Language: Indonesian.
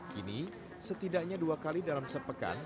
kini setidaknya dua kali dalam sepekan